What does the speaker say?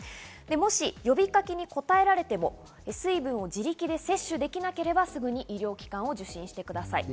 もし呼びかけに応えられても水分を自力で摂取できなければ、すぐに医療機関を受診してください。